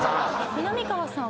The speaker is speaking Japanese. みなみかわさん